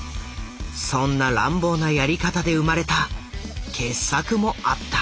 そんな乱暴なやり方で生まれた傑作もあった。